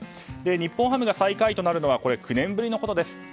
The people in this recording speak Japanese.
日本ハムが最下位となるのは９年ぶりです。